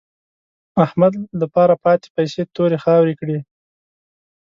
احمد له پاره پاتې پيسې تورې خاورې کړې.